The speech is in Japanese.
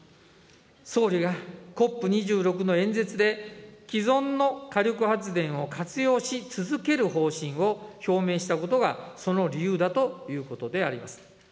総理がＣＯＰ２６の演説で、既存の火力発電を活用し続ける方針を表明したことがその理由だということであります。